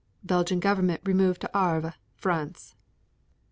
Belgian government removed to Havre, France.